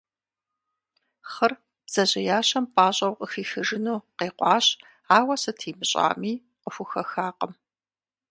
Хъыр бдзэжьеящэм пӏащӏэу къыхихыжыну къекъуащ, ауэ сыт имыщӏами, къыхухэхакъым.